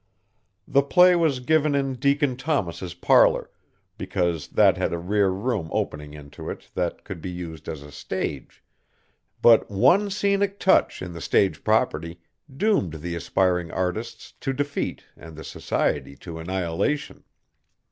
The play was given in Deacon Thomas's parlor, because that had a rear room opening into it that could be used as a stage, but one scenic touch in the stage property doomed the aspiring artists to defeat and the society to annihilation.